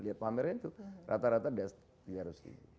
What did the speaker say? lihat pameran itu rata rata tiga ratus ribu